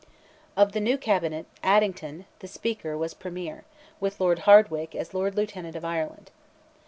Of the new Cabinet, Addington, the Speaker, was Premier, with Lord Hardwicke as Lord Lieutenant of Ireland.